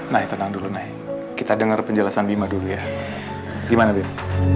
nay tenang dulu nay kita dengar penjelasan bima dulu ya gimana bim